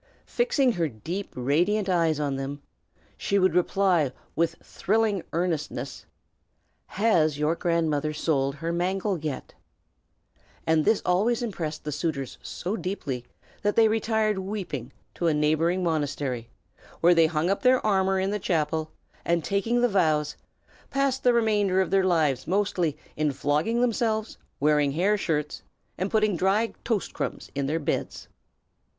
Fixing her deep radiant eyes on them, she would reply with thrilling earnestness, "Has your grandmother sold her mangle yet?" and this always impressed the suitors so deeply that they retired weeping to a neighboring monastery, where they hung up their armor in the chapel, and taking the vows, passed the remainder of their lives mostly in flogging themselves, wearing hair shirts, and putting dry toast crumbs in their beds.